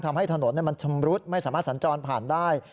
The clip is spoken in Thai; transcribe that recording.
ทำให้ถนนมันชำรุดไม่สามารถสัญจรผ่านได้